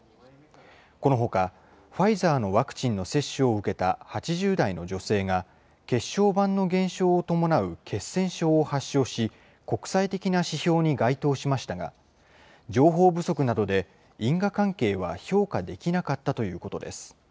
このほか、ファイザーのワクチンの接種を受けた８０代の女性が、血小板の減少を伴う血栓症を発症し、国際的な指標に該当しましたが、情報不足などで因果関係は評価できなかったということです。